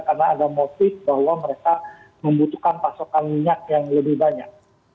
karena ada motif bahwa mereka membutuhkan pasokan minyak yang lebih banyak